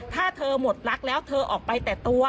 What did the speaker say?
ถ้าเธอหมดรักแล้วเธอออกไปแต่ตัว